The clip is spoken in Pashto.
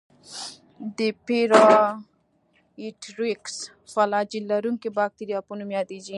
د پېرایټرایکس فلاجیل لرونکو باکتریاوو په نوم یادیږي.